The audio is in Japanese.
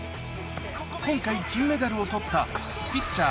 今回金メダルを取ったピッチャー